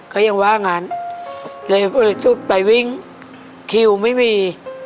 ก็ยังว่างานเลยตู้ป้ายวิ่งคิวไม่มี